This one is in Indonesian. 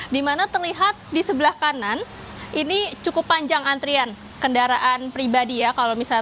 dimana terlihat di sebelah kanan ini cukup panjang antrian kendaraan pribadi ya kalau misalnya